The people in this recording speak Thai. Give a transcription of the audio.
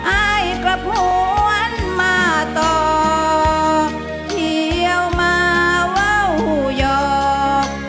อ้ายกลับหัวนมาต่อเที่ยวมาเว้าหยอก